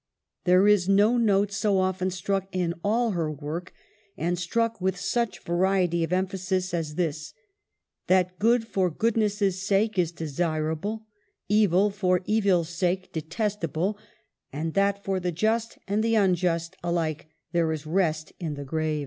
There is no note so often struck in all her work, and struck with such variety of emphasis, as this : that good for goodness' sake is desirable, evil for evil's sake detestable, and that for the just and the unjust alike there is rest in the grave.